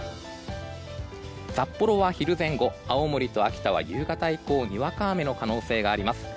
札幌は昼前後、秋田はにわか雨の可能性があります。